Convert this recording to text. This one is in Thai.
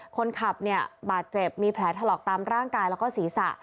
คนขับเนี่ยบาดเจ็บมีแผลถลอกตามร่างกายแล้วก็ศีรษะ